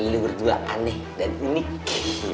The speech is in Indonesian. lili berdua aneh dan unik